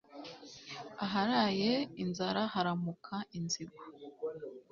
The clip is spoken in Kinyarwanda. aharaye inzara haramuka inzigo